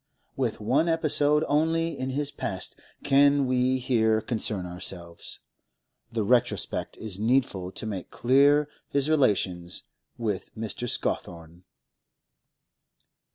With one episode only in his past can we here concern ourselves; the retrospect is needful to make clear his relations with Mr. Scawthorne.